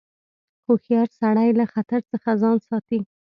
هوښیار سړی له خطر څخه ځان ساتي.